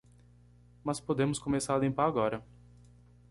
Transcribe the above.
Mas podemos começar a limpar agora.